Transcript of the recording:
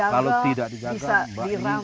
kalau tidak dijaga bisa dirambah